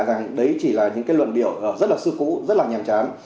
đấy chỉ là những luận điệu rất là sư cũ rất là nhàm chán